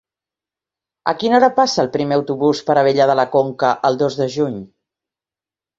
A quina hora passa el primer autobús per Abella de la Conca el dos de juny?